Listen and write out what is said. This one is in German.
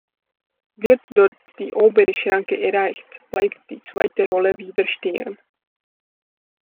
Wird dort die obere Schranke erreicht, bleibt die zweite Rolle wieder stehen.